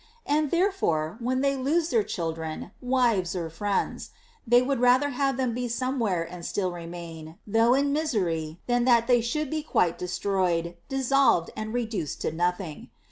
And therefore, when they lose their chil dren, wives or friends, they would rather have them be somewhere and still remain, though in misery, than that they should be quite destroyed, dissolved, and reduced to nothing.